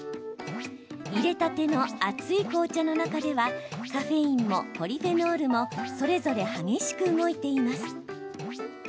いれたての熱い紅茶の中ではカフェインもポリフェノールもそれぞれ激しく動いています。